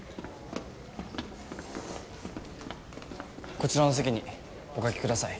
こちらの席にお掛けください。